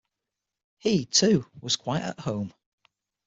He, too, was quite at home.